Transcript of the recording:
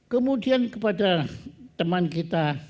kemudian kepada teman kita